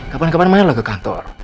kapan kapan main lo ke kantor